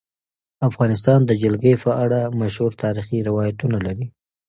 افغانستان د جلګه په اړه مشهور تاریخی روایتونه لري.